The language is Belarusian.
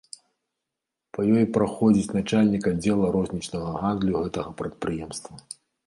Па ёй праходзіць начальнік аддзела рознічнага гандлю гэтага прадпрыемства.